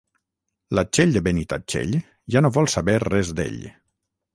La Txell de Benitatxell ja no vol saber res d'ell.